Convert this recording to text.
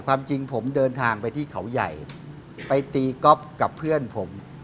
ความจริงผมเดินทางไปที่เขาใหญ่ไปตีก๊อฟกับเพื่อนผม